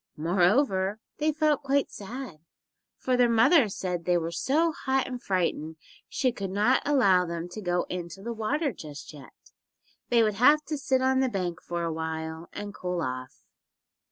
Moreover, they felt quite sad, for their mother said they were so hot and frightened she could not allow them to go into the water just yet. They would have to sit on the bank for a while and cool off.